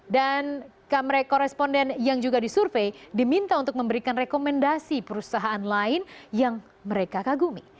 dan kamerai koresponden yang juga disurvey diminta untuk memberikan rekomendasi perusahaan lain yang mereka kagumi